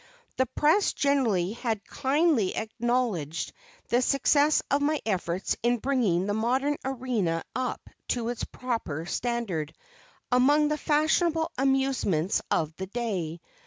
The press generally had kindly acknowledged the success of my efforts in bringing the modern arena up to its proper standard among the fashionable amusements of the day.